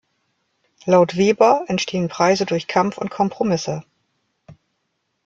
Laut Weber entstehen Preise durch Kampf und Kompromisse.